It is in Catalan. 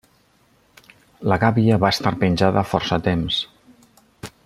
La gàbia va estar penjada força temps.